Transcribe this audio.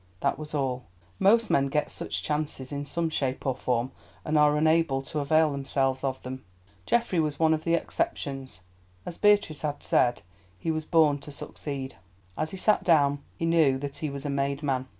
That was all. Most men get such chances in some shape or form, and are unable to avail themselves of them. Geoffrey was one of the exceptions; as Beatrice had said, he was born to succeed. As he sat down, he knew that he was a made man.